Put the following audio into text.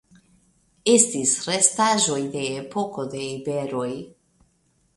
Estis restaĵoj de epoko de iberoj.